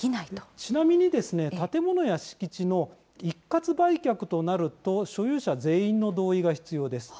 ちなみに建物や敷地の一括売却となると、所有者全員の同意が必要です。